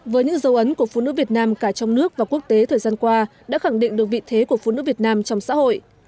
với những dấu ấn của phụ nữ việt nam cả trong nước và quốc tế thời gian qua đã khẳng định được vị thế của phụ nữ việt nam trong xã hội